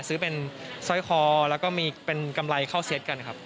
ซื้อเป็นซอยคอและมีกำไรเข้าเซ็ตกันครับ